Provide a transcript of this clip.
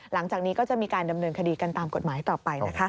หลังจากนี้ก็จะมีการดำเนินคดีกันตามกฎหมายต่อไปนะคะ